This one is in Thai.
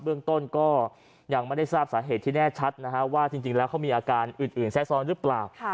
เรื่องต้นก็ยังไม่ได้ทราบสาเหตุที่แน่ชัดนะฮะว่าจริงแล้วเขามีอาการอื่นแทรกซ้อนหรือเปล่า